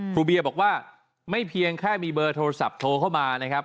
เบียบอกว่าไม่เพียงแค่มีเบอร์โทรศัพท์โทรเข้ามานะครับ